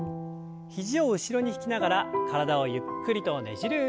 肘を後ろに引きながら体をゆっくりとねじる運動です。